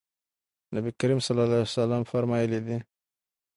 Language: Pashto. نبي کريم صلی الله عليه وسلم فرمايلي دي: